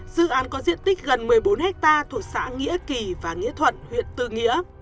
dự án có diện tích gần một mươi bốn hectare thuộc xã nghĩa kỳ và nghĩa thuận huyện tư nghĩa